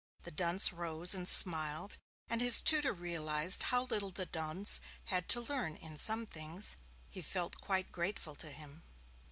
The dunce rose and smiled, and his tutor realized how little the dunce had to learn in some things. He felt quite grateful to him.